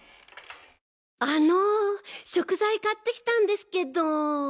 あの食材買って来たんですけど。